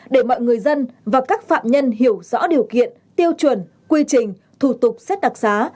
để mọi người dân và các phạm nhân hiểu rõ điều kiện tiêu chuẩn quy trình thủ tục xét đặc xá